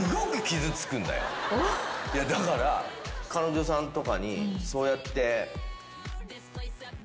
だから彼女さんとかにそうやって。